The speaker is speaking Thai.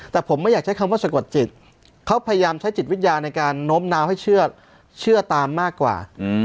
แต่ผมไม่อยากใช้คำว่าสะกดจิตเขาพยายามใช้จิตวิญญาณในการโน้มน้าวให้เชื่อตามมากกว่า